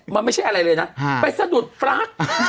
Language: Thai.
มันไม่ใช่อะไรเลยนะไปสะดุดฟลั๊ก